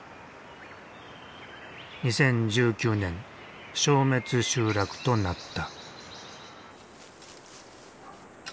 ２０１９年消滅集落となった。